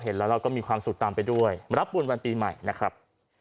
เราก็มีความสุขตามไปด้วยรับบุญวันปีใหม่นะครับ